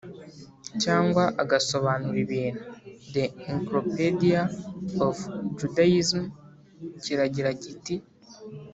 cyangwa agasobanura ibintu The Encyclopedia of Judaism kiragira kiti